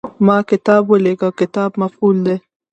ما کتاب ولېږه – "کتاب" مفعول دی.